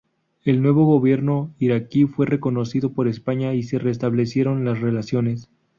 El nuevo gobierno iraquí fue reconocido por España y se restablecieron las relaciones.